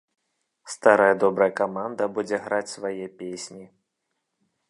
Старая добрая каманда будзе граць свае песні.